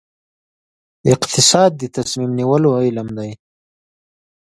اقتصاد د تصمیم نیولو علم دی